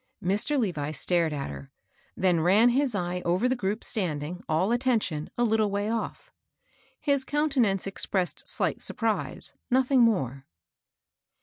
Mr. Levi stared at her. then ran his eye over the group standing, all attention, a little way off. His countenance expressed slight surprise, nothing more.